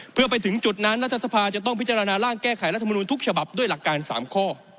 เพื่อไปถึงจุดนั้นรัฐสภาจะต้องพิจารณาร่างแก้ไขรัฐมนุนทุกฉบับด้วยหลักการ๓ข้อ